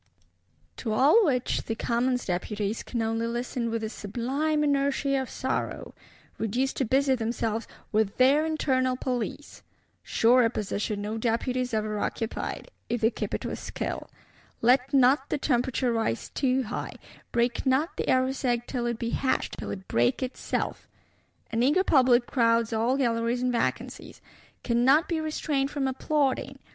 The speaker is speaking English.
To all which the Commons Deputies can only listen with a sublime inertia of sorrow; reduced to busy themselves "with their internal police." Surer position no Deputies ever occupied; if they keep it with skill. Let not the temperature rise too high; break not the Eros egg till it be hatched, till it break itself! An eager public crowds all Galleries and vacancies! "cannot be restrained from applauding."